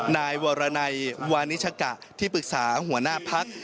นายวรนัยวานิชกะที่ปรึกษาหัวหน้าพัก